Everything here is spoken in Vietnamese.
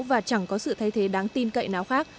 và chẳng có sự thay thế đáng tin cậy nào khác